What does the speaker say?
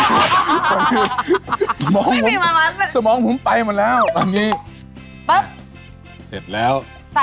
ขั้นตอนแรกต้องทำอะไรก่อนเชฟ